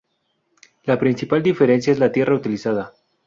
La principal diferencia es la tierra utilizada.